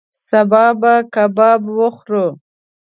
سبا به کباب وخورو